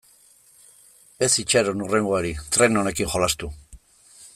Ez itxaron hurrengoari, tren honekin jolastu.